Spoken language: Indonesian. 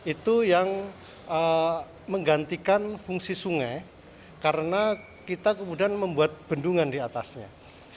itu yang menggantikan fungsi sungai karena kita kemudian membuat bendungan di atasnya